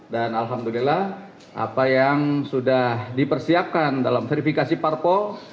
dan alhamdulillah apa yang sudah dipersiapkan dalam verifikasi parpol